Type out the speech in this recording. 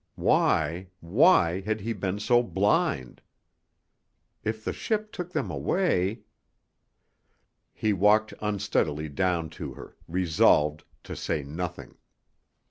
Why, why, had he been so blind? If the ship took them away He walked unsteadily down to her, resolved to say nothing.